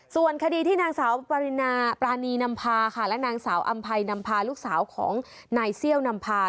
ส่วนคดีที่นางสาวปรานีนำพาค่ะและนางสาวอำภัยนำพาลูกสาวของนายเซี่ยวนำพา